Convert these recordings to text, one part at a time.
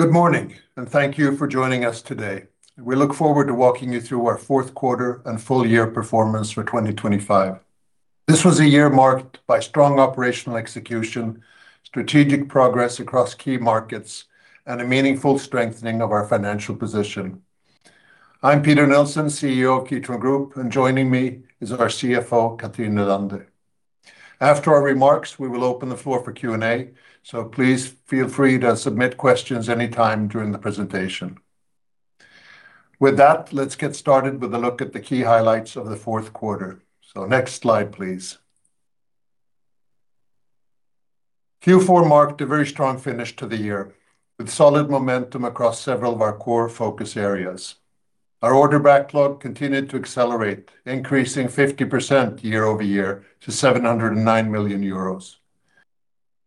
Good morning, and thank you for joining us today. We look forward to walking you through our fourth quarter and full year performance for 2025. This was a year marked by strong operational execution, strategic progress across key markets, and a meaningful strengthening of our financial position. I'm Peter Nilsson, CEO of Kitron, and joining me is our CFO, Cathrin Nylander. After our remarks, we will open the floor for Q&A, so please feel free to submit questions anytime during the presentation. With that, let's get started with a look at the key highlights of the fourth quarter. So next slide, please. Q4 marked a very strong finish to the year, with solid momentum across several of our core focus areas. Our order backlog continued to accelerate, increasing 50% year-over-year to 709 million euros.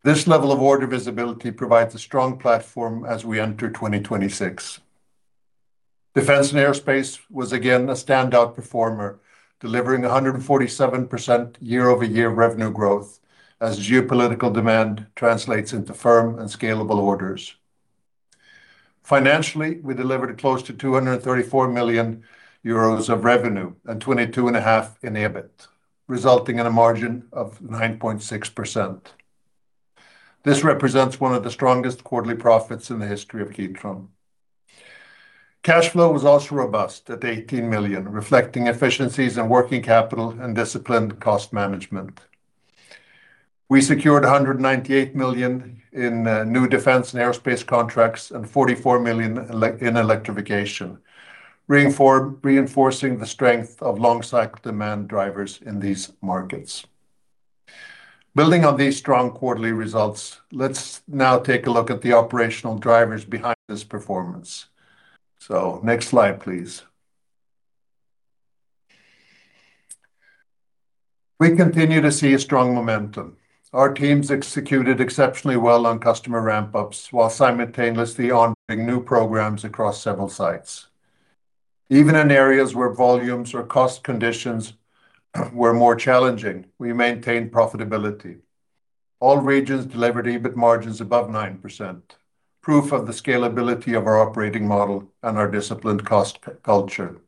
This level of order visibility provides a strong platform as we enter 2026. Defense and aerospace was again a standout performer, delivering 147% year-over-year revenue growth as geopolitical demand translates into firm and scalable orders. Financially, we delivered close to 234 million euros of revenue and 22.5 in EBIT, resulting in a margin of 9.6%. This represents one of the strongest quarterly profits in the history of Kitron. Cash flow was also robust at 18 million, reflecting efficiencies in working capital and disciplined cost management. We secured 198 million in new defense and aerospace contracts and 44 million in electrification, reinforcing the strength of long cycle demand drivers in these markets. Building on these strong quarterly results, let's now take a look at the operational drivers behind this performance. So next slide, please. We continue to see a strong momentum. Our teams executed exceptionally well on customer ramp-ups while simultaneously onboarding new programs across several sites. Even in areas where volumes or cost conditions were more challenging, we maintained profitability. All regions delivered EBIT margins above 9%, proof of the scalability of our operating model and our disciplined cost culture.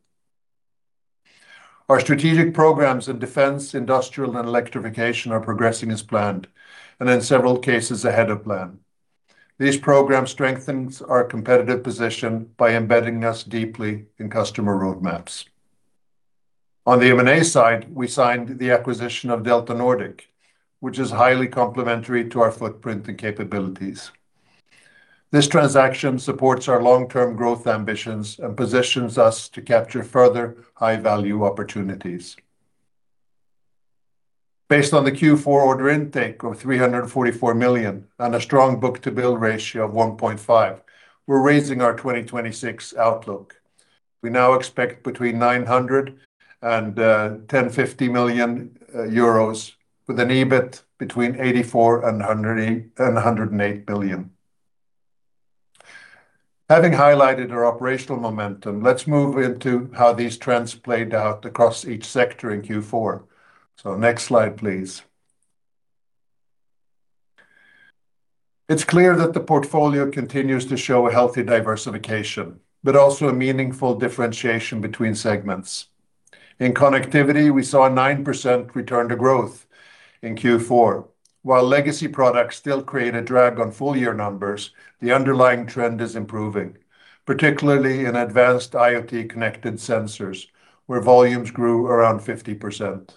Our strategic programs in defense, industrial, and electrification are progressing as planned, and in several cases, ahead of plan. These programs strengthens our competitive position by embedding us deeply in customer roadmaps. On the M&A side, we signed the acquisition of DeltaNordic, which is highly complementary to our footprint and capabilities. This transaction supports our long-term growth ambitions and positions us to capture further high-value opportunities. Based on the Q4 order intake of 344 million and a strong book-to-bill ratio of 1.5, we're raising our 2026 outlook. We now expect between 900 million and 1,050 million euros, with an EBIT between 84 million and 108 million. Having highlighted our operational momentum, let's move into how these trends played out across each sector in Q4. So next slide, please. It's clear that the portfolio continues to show a healthy diversification, but also a meaningful differentiation between segments. In connectivity, we saw a 9% return to growth in Q4. While legacy products still create a drag on full year numbers, the underlying trend is improving, particularly in advanced IoT connected sensors, where volumes grew around 50%.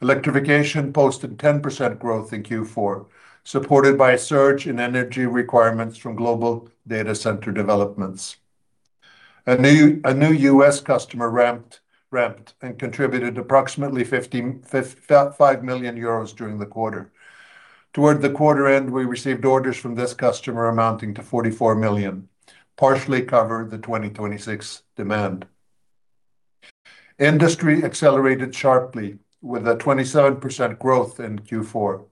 Electrification posted 10% growth in Q4, supported by a surge in energy requirements from global data center developments. A new U.S. customer ramped and contributed approximately 55 million euros during the quarter. Toward the quarter end, we received orders from this customer amounting to 44 million, partially covering the 2026 demand. Industry accelerated sharply with a 27% growth in Q4.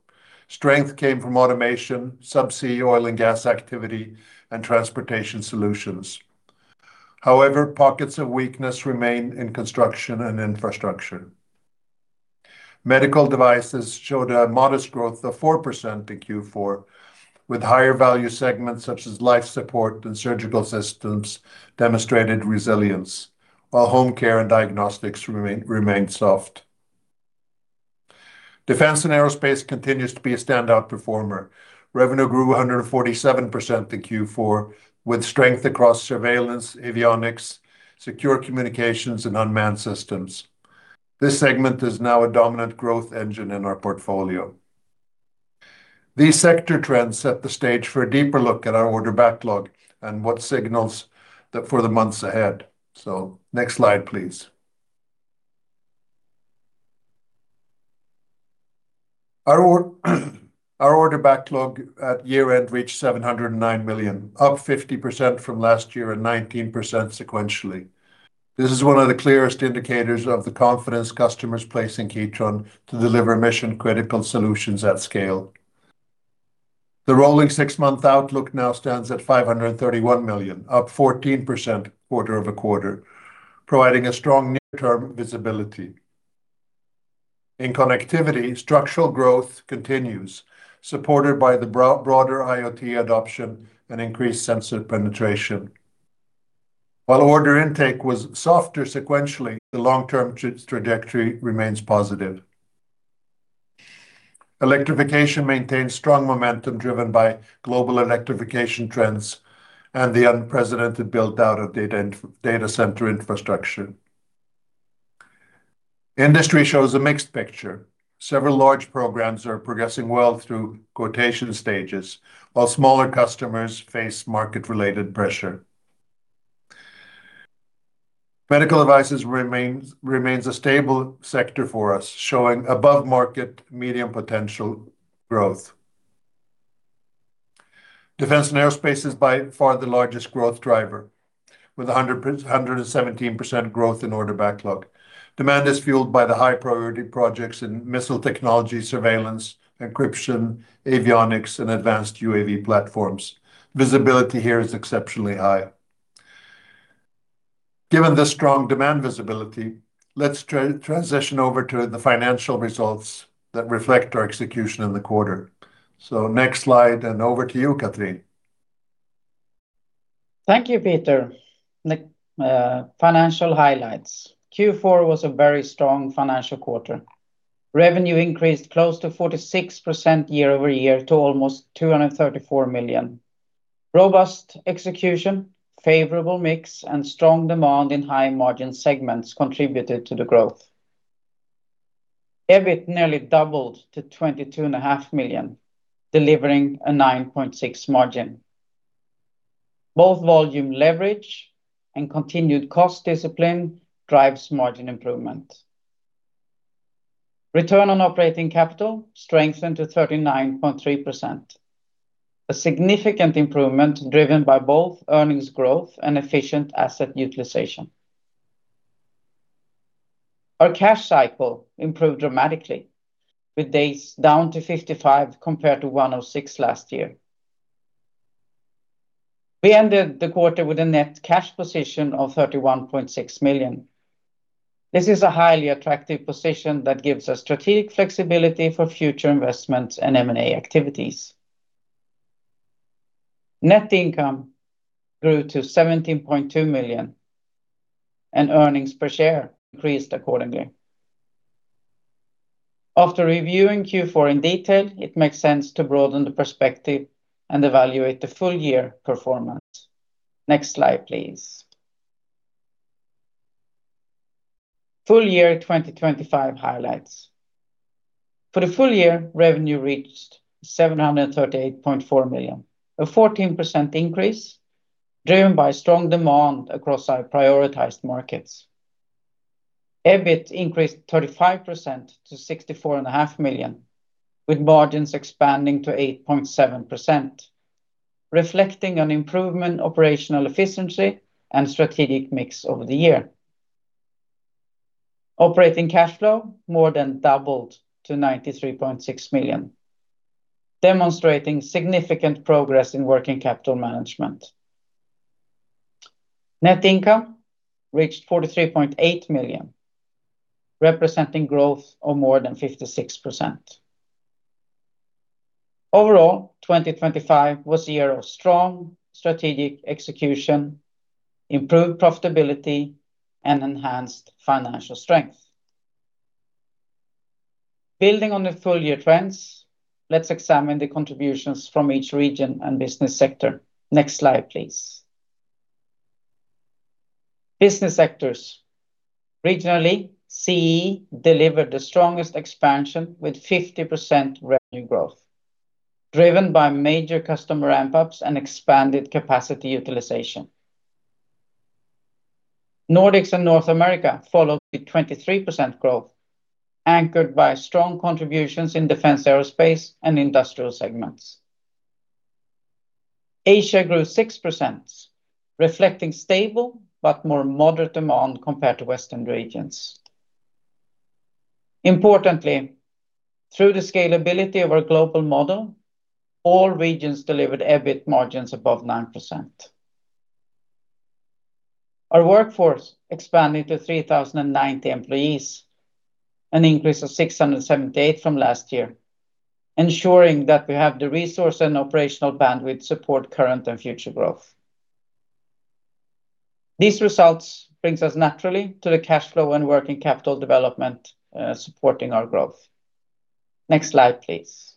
Strength came from automation, subsea oil and gas activity, and transportation solutions. However, pockets of weakness remain in construction and infrastructure. Medical devices showed a modest growth of 4% in Q4, with higher value segments such as life support and surgical systems demonstrated resilience, while home care and diagnostics remained soft. Defense and aerospace continues to be a standout performer. Revenue grew 147% in Q4, with strength across surveillance, avionics, secure communications, and unmanned systems. This segment is now a dominant growth engine in our portfolio. These sector trends set the stage for a deeper look at our order backlog and what signals that for the months ahead. So next slide, please. Our order, our order backlog at year-end reached 709 million, up 50% from last year and 19% sequentially. This is one of the clearest indicators of the confidence customers place in Kitron to deliver mission-critical solutions at scale. The rolling six-month outlook now stands at 531 million, up 14% quarter over quarter, providing a strong near-term visibility. In connectivity, structural growth continues, supported by the broader IoT adoption and increased sensor penetration. While order intake was softer sequentially, the long-term trajectory remains positive. Electrification maintains strong momentum, driven by global electrification trends and the unprecedented build-out of data and data center infrastructure. Industry shows a mixed picture. Several large programs are progressing well through quotation stages, while smaller customers face market-related pressure. Medical devices remains a stable sector for us, showing above-market medium potential growth. Defense and aerospace is by far the largest growth driver, with 117% growth in order backlog. Demand is fueled by the high-priority projects in missile technology, surveillance, encryption, avionics, and advanced UAV platforms. Visibility here is exceptionally high. Given the strong demand visibility, let's transition over to the financial results that reflect our execution in the quarter. So next slide, and over to you, Cathrin. Thank you, Peter. The financial highlights. Q4 was a very strong financial quarter. Revenue increased close to 46% year-over-year to almost 234 million. Robust execution, favorable mix, and strong demand in high-margin segments contributed to the growth. EBIT nearly doubled to 22.5 million, delivering a 9.6% margin. Both volume leverage and continued cost discipline drives margin improvement. Return on operating capital strengthened to 39.3%, a significant improvement driven by both earnings growth and efficient asset utilization. Our cash cycle improved dramatically, with days down to 55 compared to 106 last year. We ended the quarter with a net cash position of 31.6 million. This is a highly attractive position that gives us strategic flexibility for future investments and M&A activities. Net income grew to 17.2 million, and earnings per share increased accordingly. After reviewing Q4 in detail, it makes sense to broaden the perspective and evaluate the full year performance. Next slide, please. Full year 2025 highlights. For the full year, revenue reached 738.4 million, a 14% increase, driven by strong demand across our prioritized markets. EBIT increased 35% to 64.5 million, with margins expanding to 8.7%, reflecting an improvement in operational efficiency and strategic mix over the year. Operating cash flow more than doubled to 93.6 million, demonstrating significant progress in working capital management. Net income reached 43.8 million, representing growth of more than 56%. Overall, 2025 was a year of strong strategic execution, improved profitability, and enhanced financial strength. Building on the full-year trends, let's examine the contributions from each region and business sector. Next slide, please. Business sectors. Regionally, CEE delivered the strongest expansion with 50% revenue growth, driven by major customer ramp-ups and expanded capacity utilization. Nordics and North America followed with 23% growth, anchored by strong contributions in defense, aerospace, and industrial segments. Asia grew 6%, reflecting stable but more moderate demand compared to Western regions. Importantly, through the scalability of our global model, all regions delivered EBIT margins above 9%. Our workforce expanded to 3,090 employees, an increase of 678 from last year, ensuring that we have the resource and operational bandwidth to support current and future growth. These results brings us naturally to the cash flow and working capital development, supporting our growth. Next slide, please.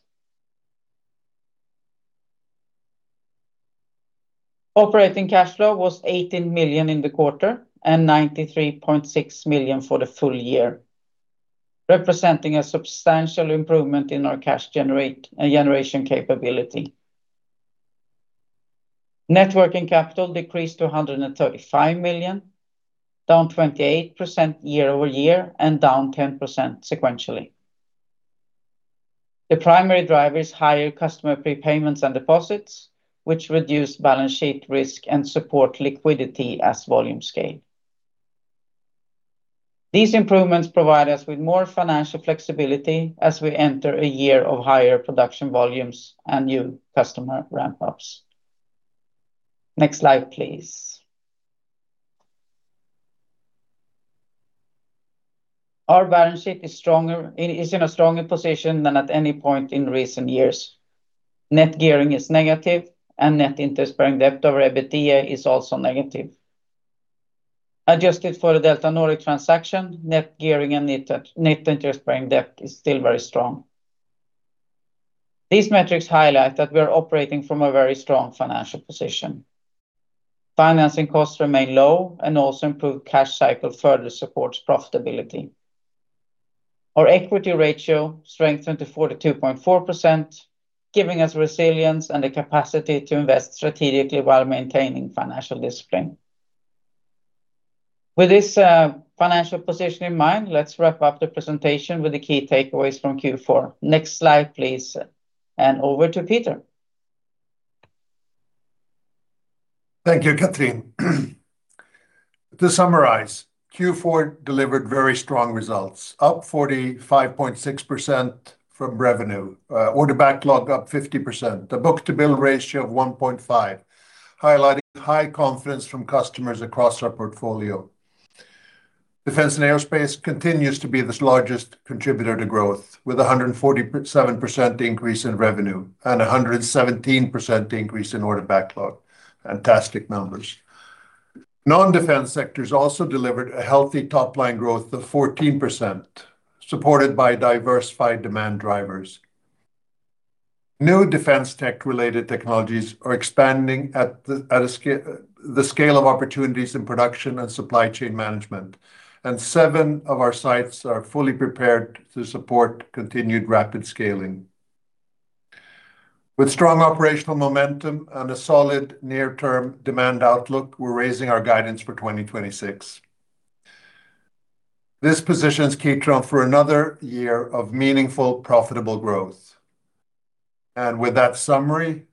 Operating cash flow was 18 million in the quarter and 93.6 million for the full year, representing a substantial improvement in our cash generation capability. Net working capital decreased to 135 million, down 28% year-over-year and down 10% sequentially. The primary driver is higher customer prepayments and deposits, which reduce balance sheet risk and support liquidity as volume scale. These improvements provide us with more financial flexibility as we enter a year of higher production volumes and new customer ramp-ups. Next slide, please. Our balance sheet is stronger, it is in a stronger position than at any point in recent years. Net gearing is negative, and net interest-bearing debt over EBITDA is also negative. Adjusted for the DeltaNordic transaction, net gearing and net interest-bearing debt is still very strong. These metrics highlight that we are operating from a very strong financial position. Financing costs remain low and also improved cash cycle further supports profitability. Our equity ratio strengthened to 42.4%, giving us resilience and the capacity to invest strategically while maintaining financial discipline. With this financial position in mind, let's wrap up the presentation with the key takeaways from Q4. Next slide, please, and over to Peter. Thank you, Cathrin. To summarize, Q4 delivered very strong results, up 45.6% from revenue, order backlog up 50%. The book-to-bill ratio of 1.5, highlighting high confidence from customers across our portfolio. Defense and aerospace continues to be the largest contributor to growth, with a 147% increase in revenue and a 117% increase in order backlog. Fantastic numbers! Non-defense sectors also delivered a healthy top-line growth of 14%, supported by diversified demand drivers. New defense tech-related technologies are expanding at a scale of opportunities in production and supply chain management, and seven of our sites are fully prepared to support continued rapid scaling. With strong operational momentum and a solid near-term demand outlook, we're raising our guidance for 2026. This positions Kitron for another year of meaningful, profitable growth. And with that summary,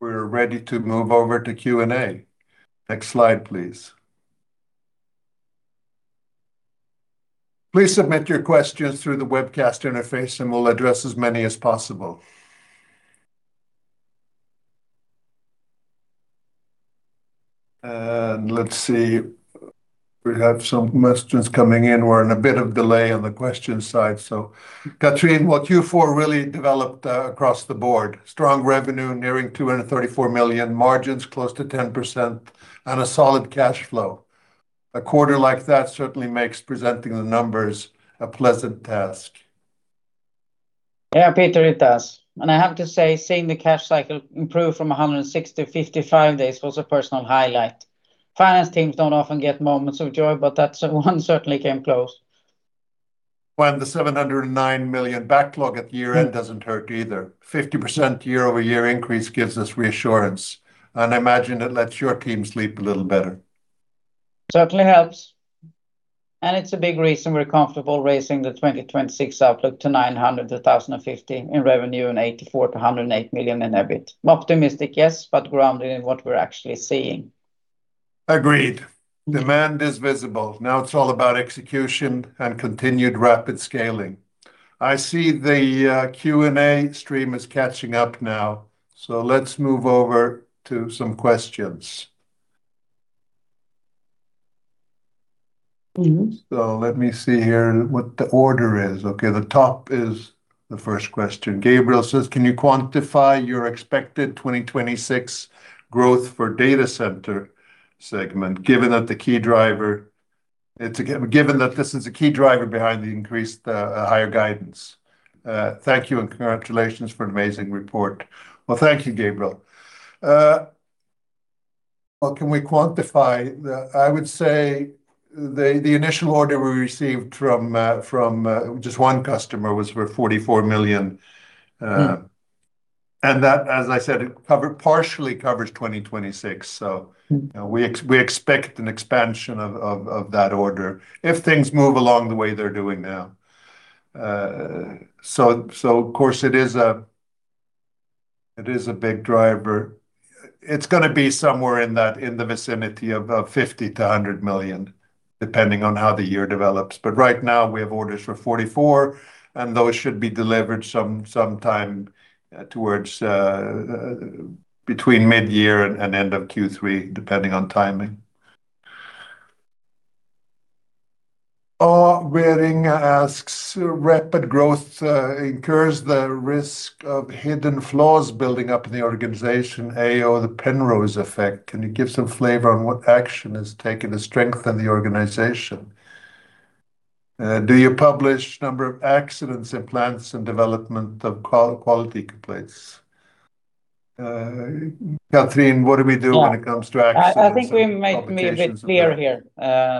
we're ready to move over to Q&A. Next slide, please. Please submit your questions through the webcast interface, and we'll address as many as possible. And let's see, we have some questions coming in. We're in a bit of delay on the question side. So, Cathrin, well, Q4 really developed across the board. Strong revenue nearing 234 million, margins close to 10%, and a solid cash flow. A quarter like that certainly makes presenting the numbers a pleasant task. Yeah, Peter, it does. And I have to say, seeing the cash cycle improve from 160 to 55 days was a personal highlight. Finance teams don't often get moments of joy, but that one certainly came close. Well, the 709 million backlog at year-end doesn't hurt either. 50% year-over-year increase gives us reassurance, and I imagine it lets your teams sleep a little better. Certainly helps, and it's a big reason we're comfortable raising the 2026 outlook to 900 million-1,050 million in revenue and 84 million-108 million in EBIT. Optimistic, yes, but grounded in what we're actually seeing. Agreed. Demand is visible. Now, it's all about execution and continued rapid scaling. I see the Q&A stream is catching up now, so let's move over to some questions. Mm-hmm. So let me see here what the order is. Okay, the top is the first question. Gabriel says: "Can you quantify your expected 2026 growth for data center segment, given that the key driver... Given that this is a key driver behind the increased, higher guidance? Thank you, and congratulations for an amazing report." Well, thank you, Gabriel. Well, can we quantify? The—I would say the, the initial order we received from, from, just one customer was for 44 million. Mm-hmm. -and that, as I said, partially covers 2026. So- Mm-hmm. We expect an expansion of that order if things move along the way they're doing now. So of course, it is a big driver. It's gonna be somewhere in the vicinity of 50 million-100 million, depending on how the year develops. But right now, we have orders for 44 million, and those should be delivered sometime towards between mid-year and end of Q3, depending on timing. Waring asks: "Rapid growth incurs the risk of hidden flaws building up in the organization, a.o. the Penrose effect. Can you give some flavor on what action is taken to strengthen the organization? Do you publish number of accidents in plants and development of quality complaints?" Cathrin, what do we do when it comes to accidents? I think we may be a bit clear here.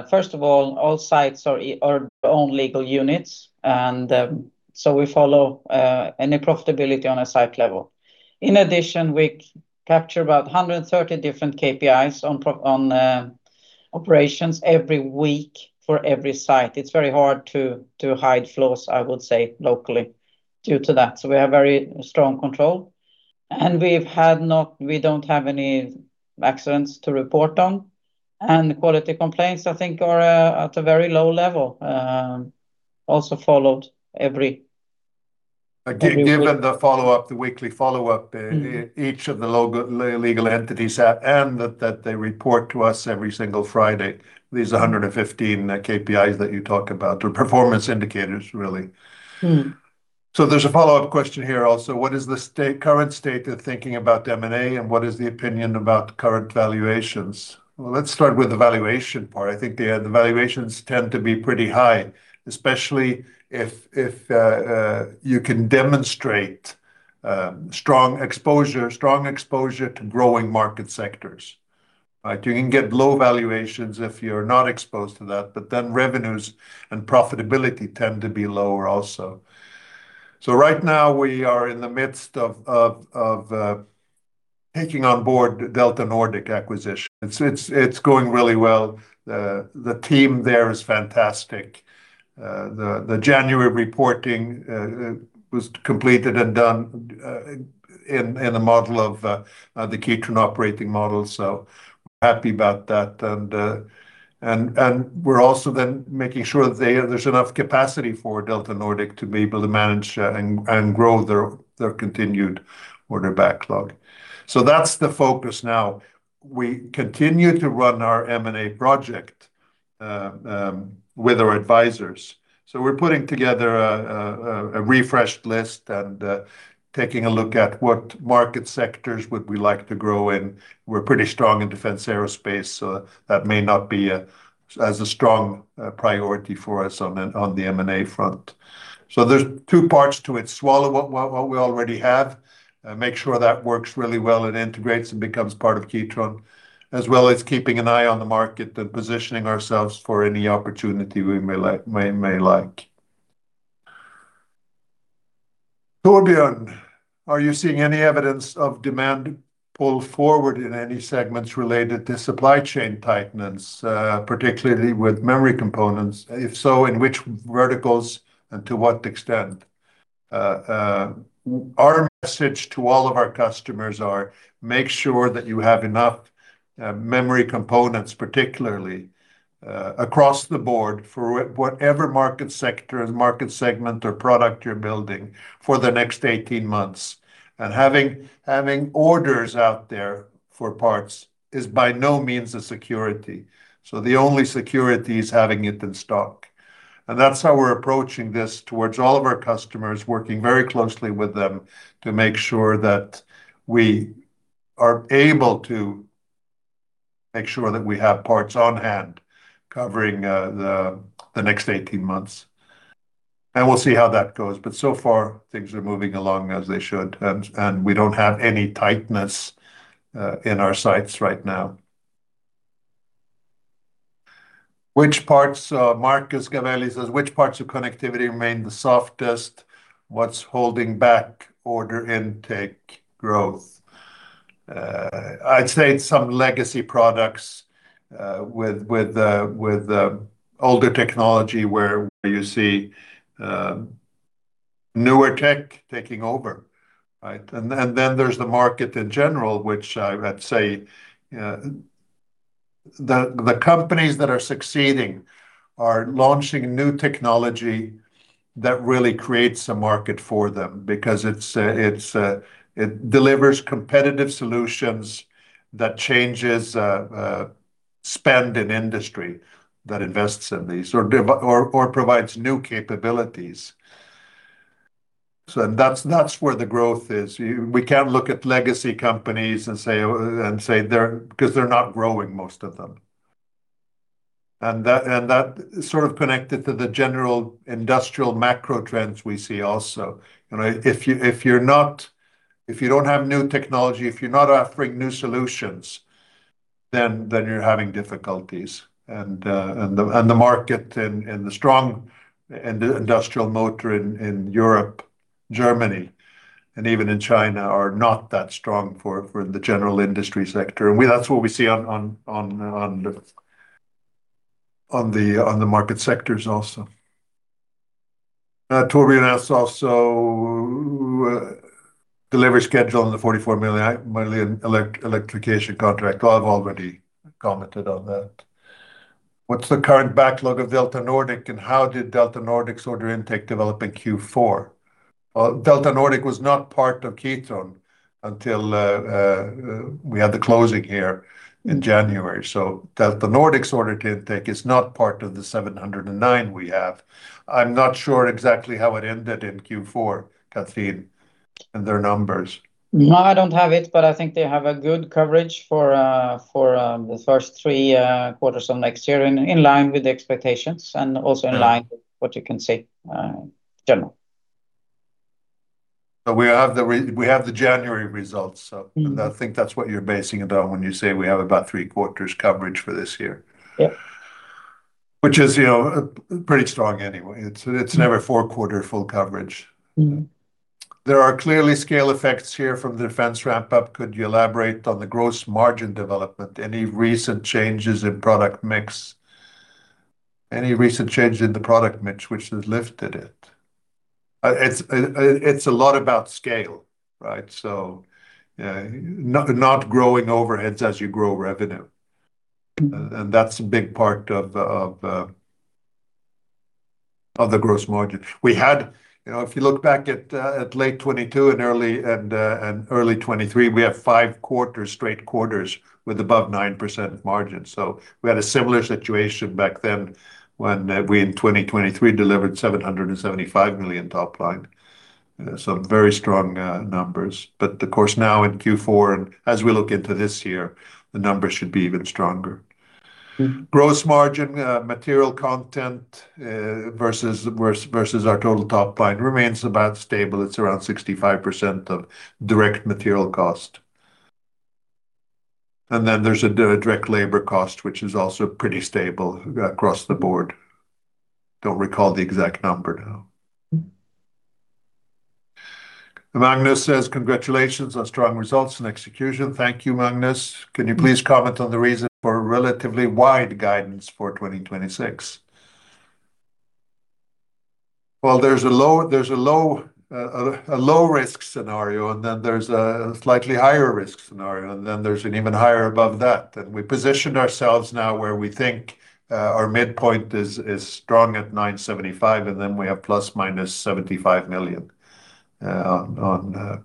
First of all, all sites are their own legal units, and so we follow any profitability on a site level. In addition, we capture about 130 different KPIs on pro, on operations every week for every site. It's very hard to hide flaws, I would say, locally, due to that. So we have very strong control, and we've had not—we don't have any accidents to report on, and the quality complaints, I think, are at a very low level, also followed every week. Given the follow-up, the weekly follow-up, each of the local legal entities, and that they report to us every single Friday, these 115 KPIs that you talk about, they're performance indicators, really. Mm. So there's a follow-up question here also: What is the state, current state of thinking about M&A, and what is the opinion about current valuations? Well, let's start with the valuation part. I think the valuations tend to be pretty high, especially if you can demonstrate strong exposure, strong exposure to growing market sectors, right? You can get low valuations if you're not exposed to that, but then revenues and profitability tend to be lower also. So right now, we are in the midst of taking on board DeltaNordic acquisition. It's going really well. The team there is fantastic. The January reporting was completed and done in a model of the Kitron operating model, so we're happy about that. We're also then making sure that there's enough capacity for DeltaNordic to be able to manage and grow their continued order backlog. So that's the focus now. We continue to run our M&A project with our advisors. So we're putting together a refreshed list and taking a look at what market sectors we would like to grow in. We're pretty strong in defense aerospace, so that may not be as strong a priority for us on the M&A front. So there's two parts to it: swallow what we already have, make sure that works really well and integrates and becomes part of Kitron, as well as keeping an eye on the market and positioning ourselves for any opportunity we may like. Torbjørn, are you seeing any evidence of demand pulled forward in any segments related to supply chain tightness, particularly with memory components? If so, in which verticals and to what extent? Our message to all of our customers are: Make sure that you have enough memory components, particularly, across the board, for whatever market sector, market segment, or product you're building for the next 18 months. And having orders out there for parts is by no means a security. So the only security is having it in stock, and that's how we're approaching this towards all of our customers, working very closely with them to make sure that we are able to make sure that we have parts on hand, covering the next 18 months. We'll see how that goes, but so far, things are moving along as they should, and we don't have any tightness in our sights right now. Marcus Gavell says, "Which parts of connectivity remain the softest? What's holding back order intake growth?" I'd say it's some legacy products with older technology, where you see newer tech taking over, right? And then there's the market in general, which I'd say the companies that are succeeding are launching new technology that really creates a market for them because it delivers competitive solutions that changes spend in industry that invests in these or provides new capabilities. So that's where the growth is. We can't look at legacy companies and say, and say they're because they're not growing, most of them. And that sort of connected to the general industrial macro trends we see also. You know, if you don't have new technology, if you're not offering new solutions, then you're having difficulties. And the market and the strong industrial motor in Europe, Germany, and even in China are not that strong for the general industry sector. And that's what we see on the market sectors also. Torbjørn asks also, "Delivery schedule on the 44 million electrification contract." I've already commented on that. What's the current backlog of DeltaNordic, and how did DeltaNordic's order intake develop in Q4?" DeltaNordic was not part of Kitron until we had the closing here in January, so DeltaNordic's order intake is not part of the 709 we have. I'm not sure exactly how it ended in Q4, Cathrin, and their numbers. No, I don't have it, but I think they have a good coverage for the first three quarters of next year, in line with the expectations, and also- Yeah.... in line with what you can see, generally. But we have the January results, so- Mm-hmm.... and I think that's what you're basing it on when you say we have about three quarters coverage for this year. Yeah. Which is, you know, pretty strong anyway. It's never four-quarter full coverage. Mm-hmm. There are clearly scale effects here from the defense ramp-up. Could you elaborate on the gross margin development? Any recent changes in product mix? Any recent change in the product mix which has lifted it? It's, it's a lot about scale, right? So, not growing overheads as you grow revenue. And that's a big part of the, of, of the gross margin. We had, you know, if you look back at, at late 2022 and early, and, and early 2023, we have five quarters, straight quarters with above 9% margin. So we had a similar situation back then, when we in 2023 delivered 775 million top line. Some very strong numbers. But of course, now in Q4, and as we look into this year, the numbers should be even stronger. Gross margin, material content, versus, versus, versus our total top line remains about stable. It's around 65% of direct material cost. And then there's a direct labor cost, which is also pretty stable across the board. Don't recall the exact number now. Magnus says, "Congratulations on strong results and execution." Thank you, Magnus. "Can you please comment on the reason for a relatively wide guidance for 2026?" Well, there's a low-risk scenario, and then there's a slightly higher risk scenario, and then there's an even higher above that. And we positioned ourselves now where we think our midpoint is strong at 975 million, and then we have ±75 million on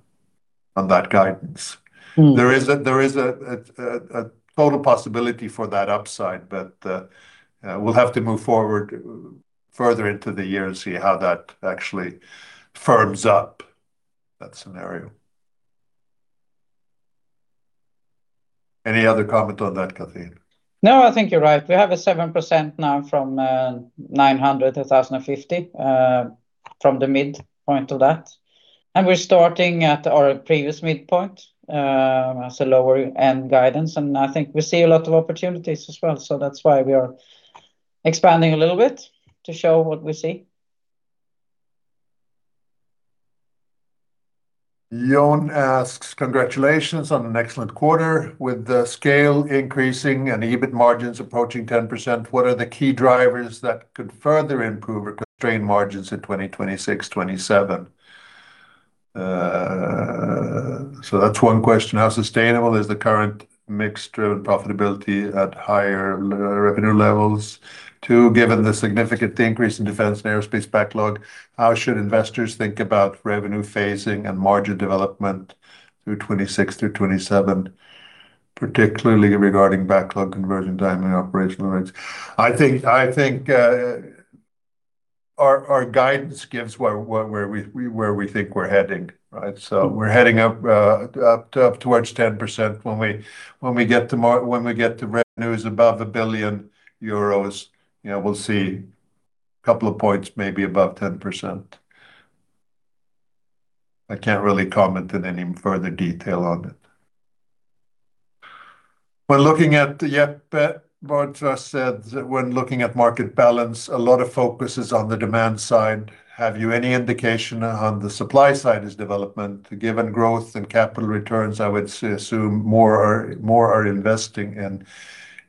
that guidance. Mm. There is a total possibility for that upside, but we'll have to move forward further into the year and see how that actually firms up that scenario. Any other comment on that, Cathrin? No, I think you're right. We have 7% now from 900-1,050, from the midpoint to that, and we're starting at our previous midpoint, as a lower end guidance, and I think we see a lot of opportunities as well. So that's why we are expanding a little bit, to show what we see. John asks: "Congratulations on an excellent quarter. With the scale increasing and EBIT margins approaching 10%, what are the key drivers that could further improve or constrain margins in 2026-2027?" So that's one question. "How sustainable is the current mix-driven profitability at higher revenue levels? Two, given the significant increase in defense and aerospace backlog, how should investors think about revenue phasing and margin development through 2026-2027, particularly regarding backlog conversion time and operational rates?" I think our guidance gives where we think we're heading, right? So we're heading up towards 10% when we get to revenues above 1 billion euros, you know, we'll see a couple of points, maybe above 10%. I can't really comment in any further detail on it. Jeppe Baardseth said, "When looking at market balance, a lot of focus is on the demand side. Have you any indication on the supply side's development? Given growth and capital returns, I would assume more are investing in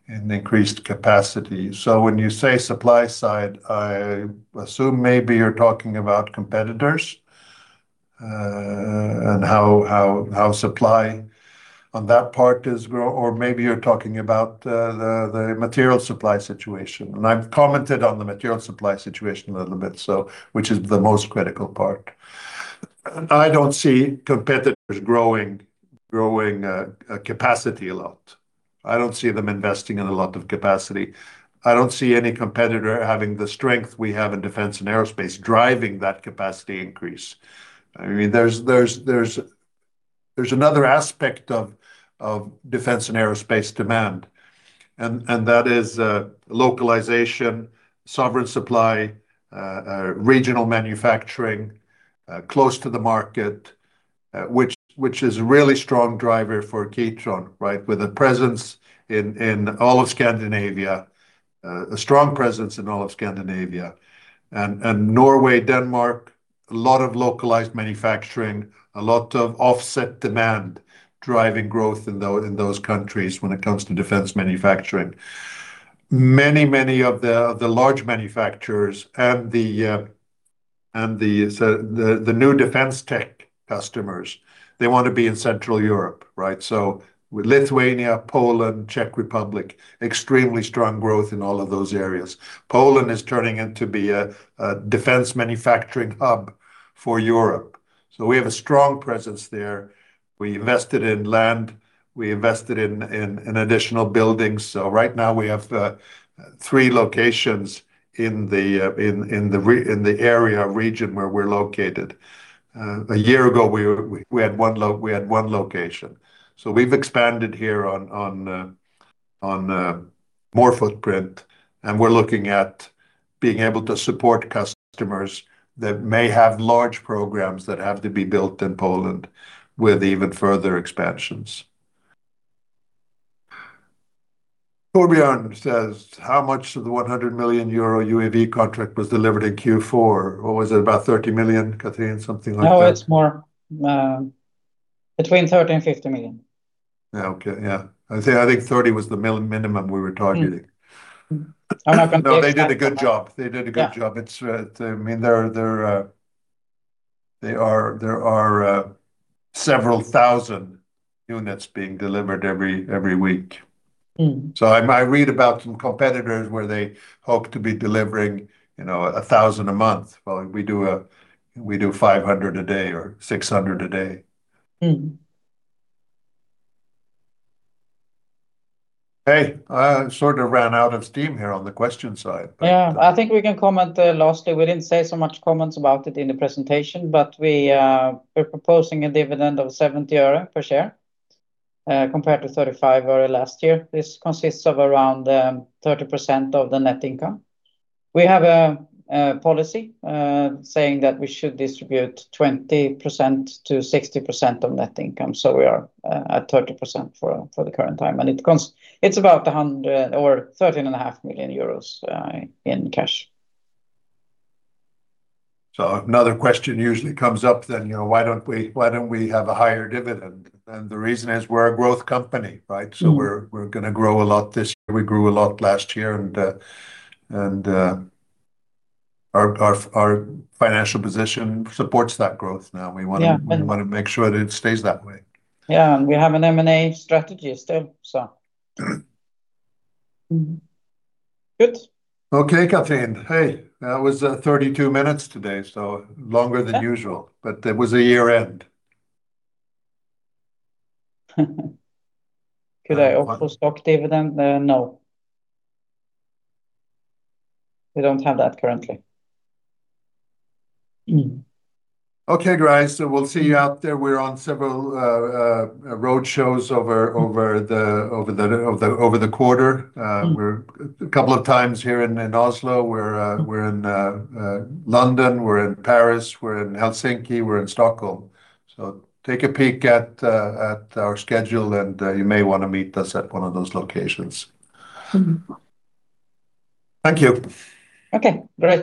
increased capacity." So when you say supply side, I assume maybe you're talking about competitors and how supply on that part is growing or maybe you're talking about the material supply situation, and I've commented on the material supply situation a little bit, so which is the most critical part. I don't see competitors growing capacity a lot. I don't see them investing in a lot of capacity. I don't see any competitor having the strength we have in defense and aerospace, driving that capacity increase. I mean, there's another aspect of defense and aerospace demand, and that is localization, sovereign supply, regional manufacturing close to the market, which is a really strong driver for Kitron, right? With a presence in all of Scandinavia, a strong presence in all of Scandinavia and Norway, Denmark, a lot of localized manufacturing, a lot of offset demand driving growth in those countries when it comes to defense manufacturing. Many of the large manufacturers and the new defense tech customers, they want to be in Central Europe, right? So with Lithuania, Poland, Czech Republic, extremely strong growth in all of those areas. Poland is turning into a defense manufacturing hub for Europe, so we have a strong presence there. We invested in land, we invested in additional buildings. So right now we have three locations in the region where we're located. A year ago, we had one location. So we've expanded here on more footprint, and we're looking at being able to support customers that may have large programs that have to be built in Poland with even further expansions. Torbjørn says, "How much of the 100 million euro UAV contract was delivered in Q4?" What was it, about 30 million, Cathrin, something like that? No, it's more, between 30 million and 50 million. Yeah, okay. Yeah, I say, I think 30 was the minimum we were targeting. I'm not gonna- No, they did a good job. They did a good job. Yeah. I mean, there are several thousand units being delivered every week. Mm-hmm. So I read about some competitors where they hope to be delivering, you know, 1,000 a month. Well, we do 500 a day or 600 a day. Mm-hmm. Hey, I sort of ran out of steam here on the question side, but- Yeah, I think we can comment, lastly, we didn't say so much comments about it in the presentation, but we're proposing a dividend of 70 euro per share, compared to 35 euro last year. This consists of around 30% of the net income. We have a policy saying that we should distribute 20%-60% of net income, so we are at 30% for the current time, and it's about 113.5 million euros in cash. Another question usually comes up then, you know, why don't we, why don't we have a higher dividend? And the reason is we're a growth company, right? Mm-hmm. So we're gonna grow a lot this year. We grew a lot last year, and our financial position supports that growth now. Yeah. We wanna make sure that it stays that way. Yeah, and we have an M&A strategy still, so. Mm-hmm. Good. Okay, Cathrin. Hey, that was 32 minutes today, so longer than usual- Yeah. But it was a year end. Could I offer stock dividend? No. We don't have that currently. Mm-hmm. Okay, great, so we'll see you out there. We're on several road shows over the quarter. Mm-hmm. We're a couple of times here in Oslo. We're in London, we're in Paris, we're in Helsinki, we're in Stockholm. So take a peek at our schedule, and you may wanna meet us at one of those locations. Mm-hmm. Thank you! Okay, great.